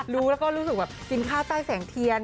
รู้แล้วก็รู้สึกแบบกินข้าวใต้แสงเทียน